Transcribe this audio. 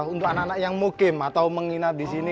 untuk anak anak yang mukim atau menginap di sini